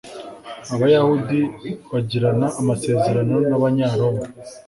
abayahudi bagirana amasezerano n'abanyaroma